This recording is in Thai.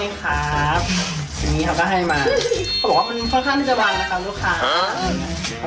อย่างงี้เขาก็ให้มาเขาบอกว่ามันค่อนข้างที่จะบางนะครับลูกค้า